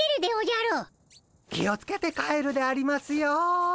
気を付けて帰るでありますよ。